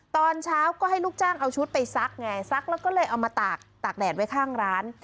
ตอนเช้าก็ให้ลูกจ้างเอาชุดไปซักไงซักแล้วก็เลยเอามาตากแดดไว้ข้างร้าน